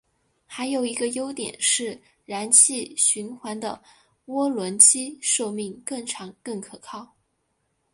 还有一个优点是燃气循环的涡轮机寿命更长更可靠。